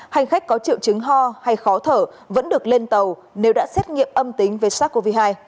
hành khách có triệu chứng ho hay khó thở vẫn được lên tàu nếu đã xét nghiệm âm tính với sars cov hai